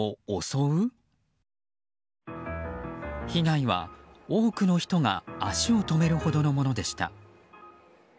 被害は多くの人が足を止めるほどのものでした。